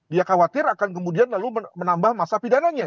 dan kemudian lalu menambah masyarakat pidananya